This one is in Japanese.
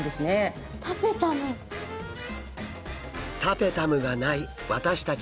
タペタムがない私たち